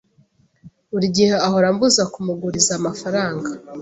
Buri gihe ahora ambuza kumuguriza amafaranga.